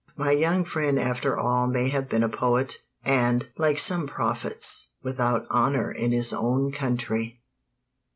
My young friend after all may have been a poet, and, like some prophets, "without honor in his own country."